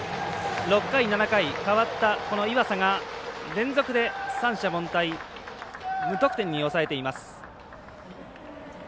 ６回、７回、代わったこの岩佐が連続で三者凡退無得点に抑えています。